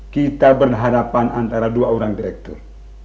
kita berhadapan antara dua orang direktur